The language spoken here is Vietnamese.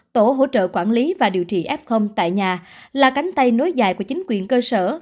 tổ hỗ trợ quản lý và điều trị f tại nhà là cánh tay nối dài của chính quyền cơ sở